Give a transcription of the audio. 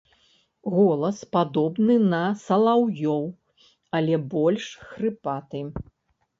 Голас падобны на салаўёў, але больш хрыпаты.